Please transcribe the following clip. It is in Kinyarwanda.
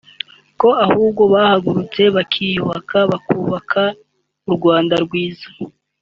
ko ahubwo bahagurutse bakiyubaka bakubaka u Rwanda rwiza